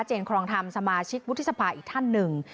ครองธรรมสมาชิกวุฒิสภาอีกท่านหนึ่ง